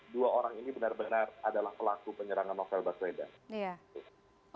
dua orang ini benar benar adalah pelaku penyerangan novel baswedan